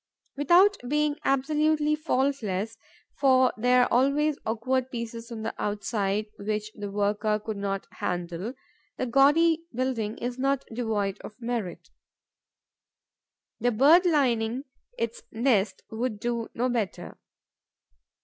Without being absolutely faultless, for there are always awkward pieces on the outside, which the worker could not handle, the gaudy building is not devoid of merit. The bird lining its nest would do no better.